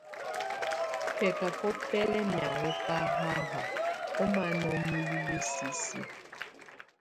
Bɛcacɔ bɛ lɛ mianŋɔ ba haha ɔmana nulilə sisi.